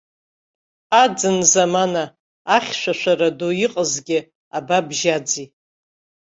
Аӡын замана, ахьшәашәара ду иҟазгьы абабжьаӡи!